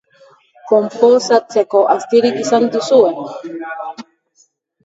Konposatzeko astirik izan duzue?